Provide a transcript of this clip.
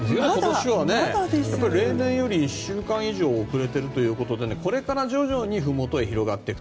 例年より１週間以上遅れているということでこれから徐々にふもとに広がっていく。